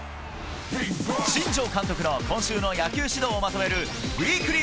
新庄監督の今週の野球指導をまとめるウィークリー